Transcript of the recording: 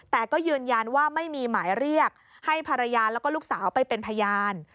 แต่ก็ยืนยันว่าไม่มีหมายเรียกให้ภรรยาแล้วก็ลูกสาวไปเป็นพยาน